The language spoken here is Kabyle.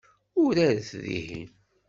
Uraret dihin.